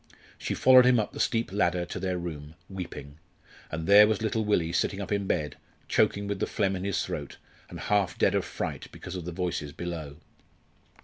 She followed him up the steep ladder to their room, weeping. And there was little Willie sitting up in bed, choking with the phlegm in his throat, and half dead of fright because of the voices below.